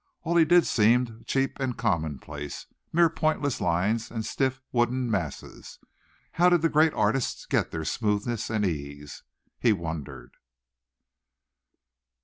All he did seemed cheap and commonplace, mere pointless lines and stiff wooden masses. How did the great artists get their smoothness and ease? He wondered.